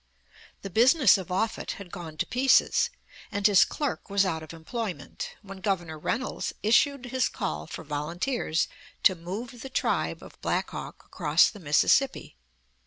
The business of Offutt had gone to pieces, and his clerk was out of employment, when Governor Reynolds issued his call for volunteers to move the tribe of Black Hawk across the Mississippi.